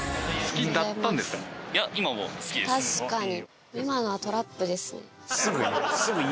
確かに。